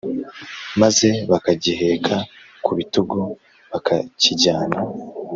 Maze bakagiheka ku bitugu bakakijyana